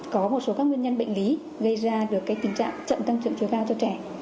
có một số các nguyên nhân bệnh lý gây ra được tình trạng chậm tăng trưởng chiều cao cho trẻ